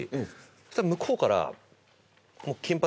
そしたらむこうから。